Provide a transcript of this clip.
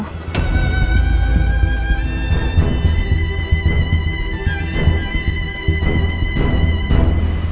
apa dia ragu